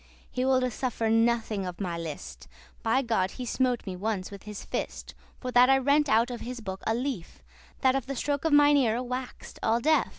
He woulde suffer nothing of my list.* *pleasure By God, he smote me ones with his fist, For that I rent out of his book a leaf, That of the stroke mine eare wax'd all deaf.